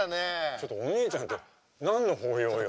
ちょっとお姉ちゃんって何の抱擁よ。